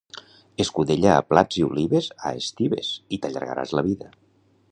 Escudella a plats i olives a estives i t'allargaràs la vida